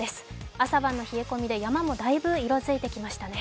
朝晩の冷え込みで山もだいぶ色づいてきましたね。